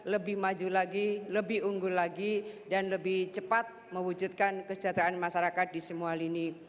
lebih maju lagi lebih unggul lagi dan lebih cepat mewujudkan kesejahteraan masyarakat di semua lini